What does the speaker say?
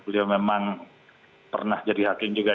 beliau memang pernah jadi hakim juga